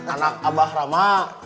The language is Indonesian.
anak abah rama